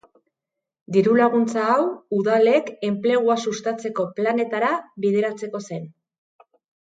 Diru-laguntza hau udalek enplegua sustatzeko planetara bideratzeko zen.